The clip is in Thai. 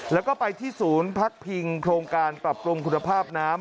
แล้วก็ไปที่ศูนย์พักพิงโครงการปรับปรุงคุณภาพน้ำ